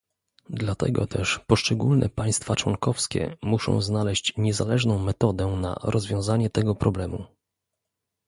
Dlatego też poszczególne państwa członkowskie muszą znaleźć niezależną metodę na rozwiązanie tego problemu